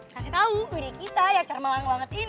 kasih tau gini kita yang cermelang banget ini yuk